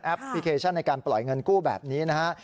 พลิเคชันในการปล่อยเงินกู้แบบนี้นะฮะ